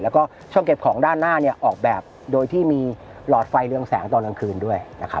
แล้วก็ช่องเก็บของด้านหน้าออกแบบโดยที่มีหลอดไฟเรืองแสงตอนกลางคืนด้วย